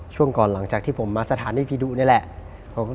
ช่วงก่อนหลังจากที่ผมมาสถานีผีดุนี่แหละ